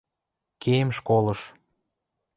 Кеем школыш», —